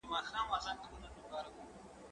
زه اوږده وخت ليکنې کوم!.